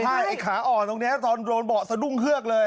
ใช่ไอ้ขาอ่อนตรงนี้ตอนโดนเบาะสะดุ้งเฮือกเลย